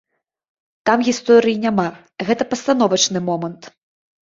Там гісторыі няма, гэта пастановачны момант.